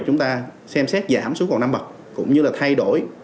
chúng ta xem xét giảm xuống còn năm bậc cũng như là thay đổi